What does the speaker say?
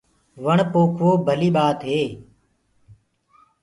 وڻ پوکوو ڀلي ٻآت هي۔